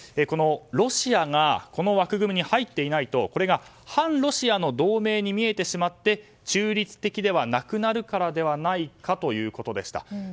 ロシアがこの枠組みに入っていないとこれが反ロシアの同盟に見えてしまって中立的ではなくなるからではないかということでした。